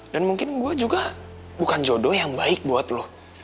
dan mungkin gue juga bukan jodoh yang baik buat lo